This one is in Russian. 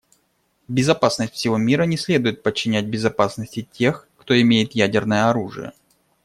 Безопасность всего мира не следует подчинять безопасности тех, кто имеет ядерное оружие.